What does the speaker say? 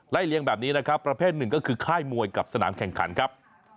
เลี้ยงแบบนี้นะครับประเภทหนึ่งก็คือค่ายมวยกับสนามแข่งขันครับ